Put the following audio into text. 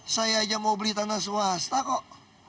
saya aja mau beli tanah swasta kok